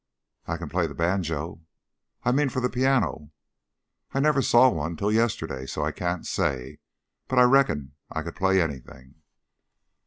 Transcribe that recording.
"I can play the banjo " "I mean for the piano." "I never saw one till yesterday, so I can't say. But I reckon I could play anything."